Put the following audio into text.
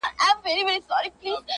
مخ ګلاب لېمه نرګس زلفي سنبل سوې,